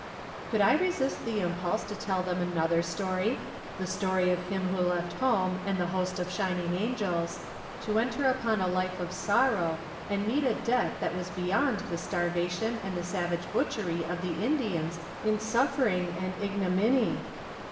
" Could I resist the impulse to tell them another story — the story of Him who left home, and the host of shining angels, to enter upon a life of sorrow, and meet a death that was beyond the starvation and the savage butchery of the In dians in suffering and ignominy